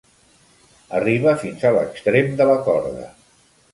Arriba fins a l'extrem de la corda.